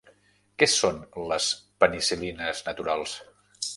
Què són les penicil·lines naturals?